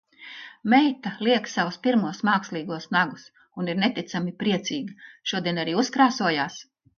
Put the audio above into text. Meita liek savus pirmos mākslīgos nagus. Un ir neticami priecīga. Šodien arī uzkrāsojās.